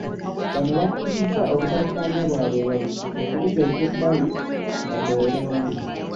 Bano bakkirizza obutakkaanya bwabwe okubuteeka ebbali bakolere abantu